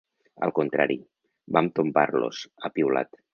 Al contrari, vam tombar-los, ha piulat.